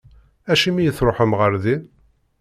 Acimi i tṛuḥem ɣer din?